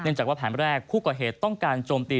เนื่องจากแผนแรกครูกอเหตุต้องจมตี